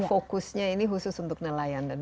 fokusnya ini khusus untuk nelayan dan